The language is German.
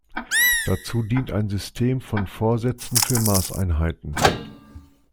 Dazu dient ein System von Vorsätzen für Maßeinheiten.